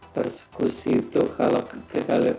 persekusi itu kalau kita lihat